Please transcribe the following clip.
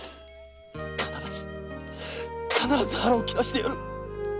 必ず腹を切らせてやる！